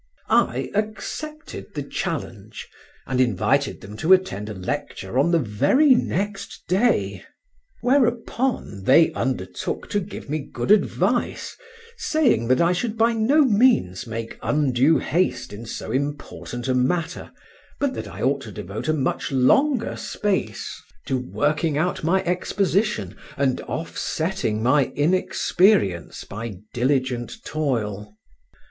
I accepted the challenge, and invited them to attend a lecture on the very next day. Whereupon they undertook to give me good advice, saying that I should by no means make undue haste in so important a matter, but that I ought to devote a much loner space to working out my exposition and offsetting my inexperience by diligent toil.